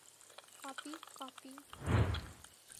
Copy, copy.